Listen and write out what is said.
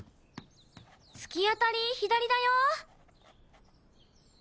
突き当たり左だよ！